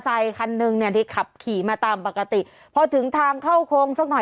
คันหนึ่งเนี่ยที่ขับขี่มาตามปกติพอถึงทางเข้าโค้งสักหน่อย